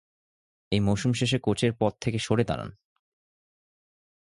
ঐ মৌসুম শেষে কোচের পদ থেকে সরে দাঁড়ান।